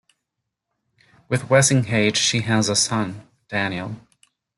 With Wessinghage she has a son Daniel.